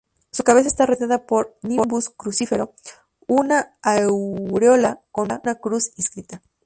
Su cabeza está rodeada por un nimbus crucífero,-una aureola con una cruz inscrita-.